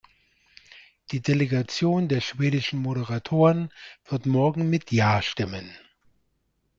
Die Delegation der schwedischen Moderaten wird morgen mit Ja stimmen.